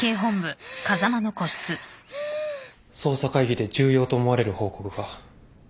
捜査会議で重要と思われる報告が。